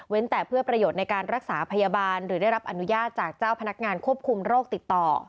แต่เพื่อประโยชน์ในการรักษาพยาบาลหรือได้รับอนุญาตจากเจ้าพนักงานควบคุมโรคติดต่อ